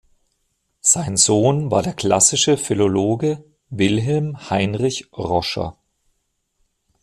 Sein Sohn war der klassische Philologe Wilhelm Heinrich Roscher.